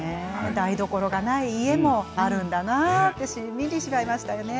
台所のない家があるのだなってしんみりしてしまいましたね。